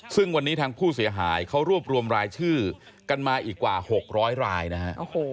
ซึ่งวันนี้ทางผู้เสียหายเขารวบรวมรายชื่อกันมาอีกกว่า๖๐๐รายนะฮะ